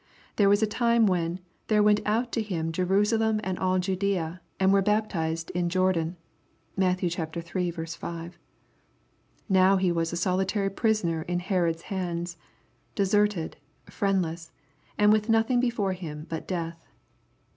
There was a time when " there went out to him Jerusalem and all Judaea, — and were baptized in Jordan." (Matt. iii. 5.) Now he was a solitary prisoner in Herod's hands, deserted, friendless, and with nothing before him but death.